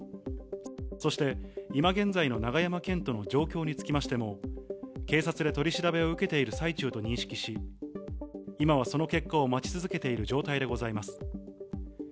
そして今現在の永山絢斗の状況につきましても、警察で取り調べを受けている最中と認識し、今はその結果を待ち続けている状態でございます。